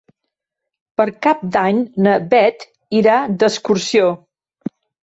Per Cap d'Any na Bet irà d'excursió.